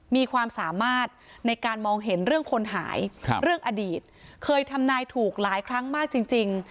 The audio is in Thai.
มีความสามารถในการมองเห็นเรื่องคนหายเรื่องอดีตเคยทำนายถูกหลายครั้งมากจริง